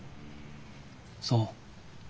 そう。